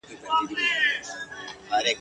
پر دنیا باندي اسمان به رانړیږي ..